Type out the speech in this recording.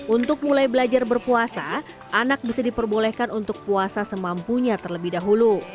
untuk mulai belajar berpuasa anak bisa diperbolehkan untuk puasa semampunya terlebih dahulu